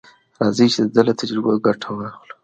راځئ چې د ده له تجربو ګټه واخلو.